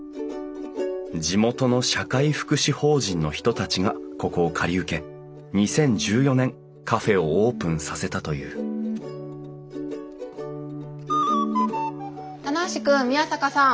地元の社会福祉法人の人たちがここを借り受け２０１４年カフェをオープンさせたという棚橋君宮坂さん